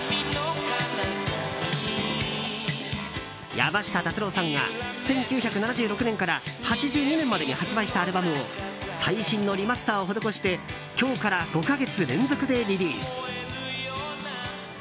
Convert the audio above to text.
山下達郎さんが１９７６年から８２年までに発売したアルバムを最新のリマスターを施して今日から５か月連続でリリース。